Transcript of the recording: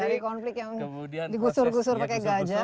dari konflik yang digusur gusur pakai gajah